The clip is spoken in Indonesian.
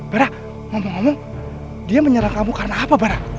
barah ngomong ngomong dia menyerang kamu karena apa barah